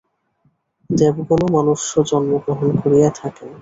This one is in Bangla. দেবগণও মনুষ্যজন্ম গ্রহণ করিয়া থাকেন।